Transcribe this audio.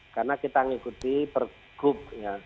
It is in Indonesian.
karena kita mengikuti per grup